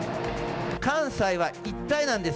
関西は一体なんです。